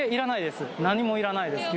何もいらないです